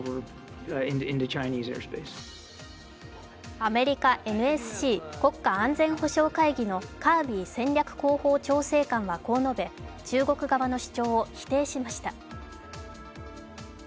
アメリカＮＳＣ＝国家安全保障会議のカービー戦略広報調整官はこう述べ、中国側の主張を否定しました。